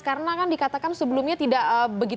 karena kan dikatakan sebelumnya tidak berhasil